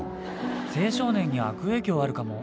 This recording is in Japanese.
青少年に悪影響あるかも。